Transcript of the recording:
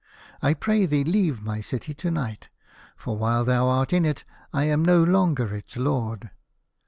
I pray thee leave my city to night, for while thou art in it I am no longer its lord.